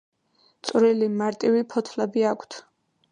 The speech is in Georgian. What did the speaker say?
წვრილი მარტივი ფოთლები აქვთ.